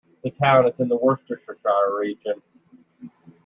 The town is in the Worcestershire region.